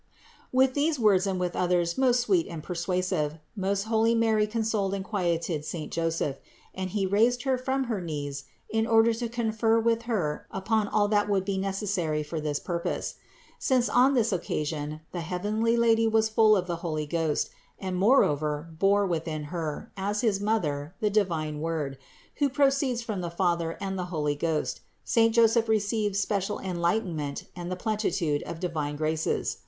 With these words and others most sweet and persuasive most holy Mary consoled and quieted saint Joseph, and he raised Her from her knees in order to confer with Her upon all that would be necessary for this purpose. Since on this occasion the heavenly Lady was full of the Holy Ghost and moreover bore within Her, as his Mother, the divine Word, who proceeds from the Father and the Holy Ghost, saint Joseph received special enlightenment and the plenitude of divine graces.